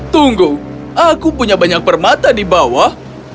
tunggu aku punya banyak permata di bawah